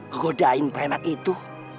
kegodain preman itu